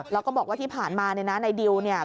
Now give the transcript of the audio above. เราก็บอกว่าที่ผ่านมาในดิวเนี่ย